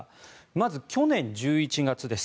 まず、去年１１月です。